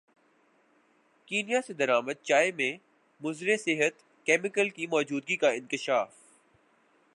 Kenya سے درامد چائے میں مضر صحت کیمیکل کی موجودگی کا انکشاف